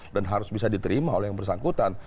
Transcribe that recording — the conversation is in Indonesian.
dan harus bisa diterima oleh yang bersangkutan